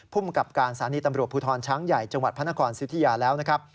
ภูมิกับการสถานีตำรวจภูทรช้างใหญ่จังหวัดพระนครสิทธิยาแล้วนะครับ